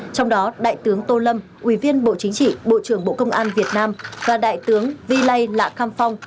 trong đó đại tướng tô lâm ủy viên bộ chính trị bộ trưởng bộ công an việt nam và đại tướng vi lây lạ kham phong